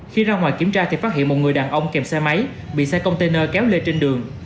khi ra ngoài kiểm tra thì phát hiện một người đàn ông kèm xe máy bị xe container kéo lê trên đường